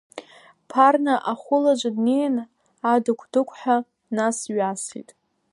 Ԥарна ахәылаҿы днеин, адықә-дықәҳәа днас-ҩасит.